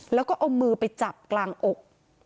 แล้วก็เอามือไปจับกลางอก